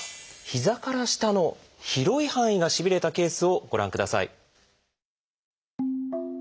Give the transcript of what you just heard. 膝から下の広い範囲がしびれたケースをご覧ください。